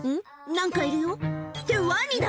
何かいるよってワニだ！